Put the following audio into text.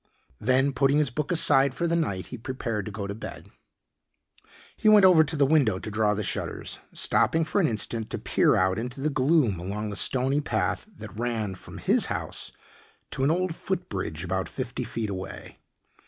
Then putting his book aside for the night he prepared to go to bed. He went over to the window to draw the shutters, stopping for an instant to peer out into the gloom along the stony path that ran from his house to an old foot bridge about fifty feet away.